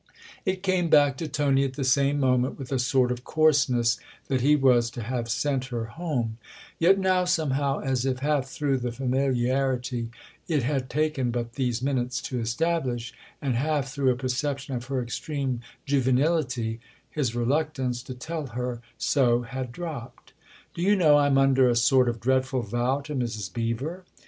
It came back to Tony at the same moment with THE OTHER HOUSE 95 a sort of coarseness that he was to have sent her home; yet now, somehow, as if half through the familiarity it had taken but these minutes to establish, and half through a perception of her extreme juvenility, his reluctance to tell her so had dropped. " Do you know I'm under a sort of dreadful vow to Mrs. Beever